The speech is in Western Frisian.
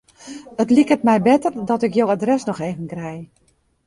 It liket my better dat ik jo adres dochs even krij.